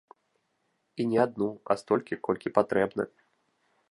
І не адну, а столькі, колькі патрэбна.